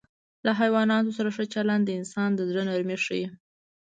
له حیواناتو سره ښه چلند د انسان د زړه نرمي ښيي.